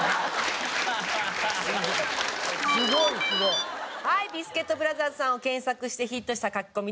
すごいすごい！ビスケットブラザーズさんを検索してヒットしたカキコミです。